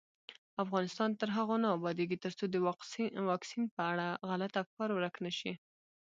افغانستان تر هغو نه ابادیږي، ترڅو د واکسین په اړه غلط افکار ورک نشي.